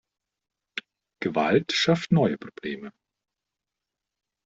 Gewalt schafft neue Probleme.